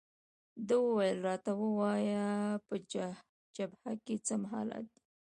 ده وویل: راته ووایه، په جبهه کې څه حالات دي؟